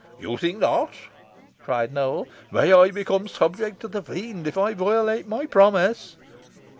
"You think not!" cried Nowell. "'May I become subject to the Fiend if I violate my promise!'"